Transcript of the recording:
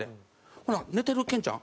ほな寝てるケンちゃん